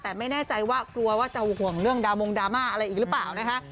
แต่ไม่แน่ใจว่ากลัวว่าจะห่วงเรื่องดาวมงดราม่าอะไรอีกหรือเปล่านะคะ